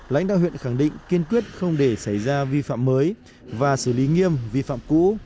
lãnh đạo huyện khẳng định kiên quyết không để xảy ra vi phạm mới và xử lý nghiêm vi phạm cũ